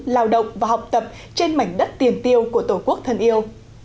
lao động và học tập trên mảnh đất tiền tiêu của tổ quốc thân yêu